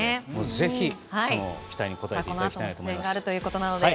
ぜひ期待に応えていただきたいと思います。